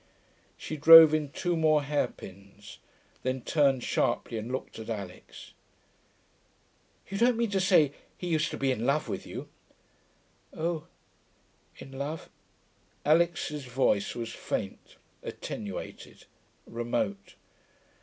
She drove in two more hairpins, then turned sharply and looked at Alix. 'You don't mean to say he used to be in love with you.' 'Oh ... in love....' Alix's voice was faint, attenuated, remote.